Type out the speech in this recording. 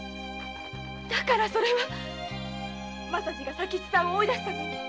それは政次が佐吉さんを追い出すために。